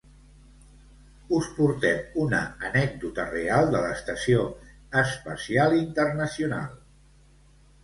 us portem una anècdota real de l'Estació Espacial Internacional